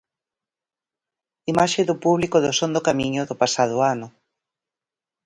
Imaxe do público do Son do Camiño do pasado ano.